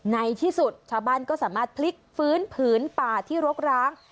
ในที่สุดชาวบ้านก็สามารถพลิกฟื้นผืนป่าที่รกร้าง